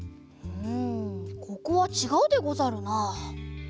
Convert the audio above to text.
うんここはちがうでござるな。